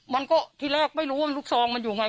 มันก็ทีแรกไม่รู้ว่าลูกซองมันอยู่ไง